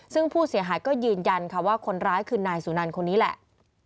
ซึ่งผู้เสียหายก็ยืนยันค่ะว่าคนร้ายคือนายสุนันคนนี้แหละ